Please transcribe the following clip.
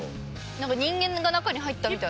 なんか人間が中に入ったみたい。